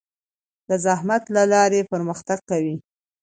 د زحمت له لارې پرمختګ کوي.